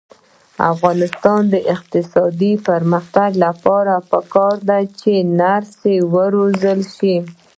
د افغانستان د اقتصادي پرمختګ لپاره پکار ده چې نرسان وروزل شي.